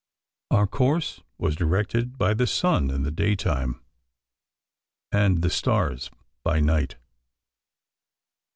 Our course was directed by the sun in the day time, and the stars by night.